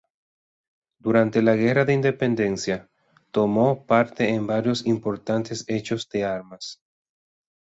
Durante la guerra de Independencia, tomó parte en varios importantes hechos de armas.